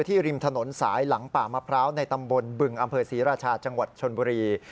ริมถนนสายหลังป่ามะพร้าวในตำบลบึงอำเภอศรีราชาจังหวัดชนบุรี